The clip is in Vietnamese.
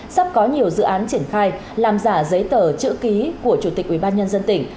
sắp có nhiều dự án triển khai làm giả giấy tờ chữ ký của chủ tịch ubnd tỉnh